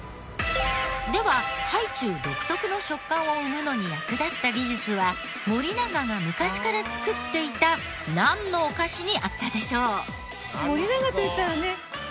ではハイチュウ独特の食感を生むのに役立った技術は森永が昔から作っていたなんのお菓子にあったでしょう？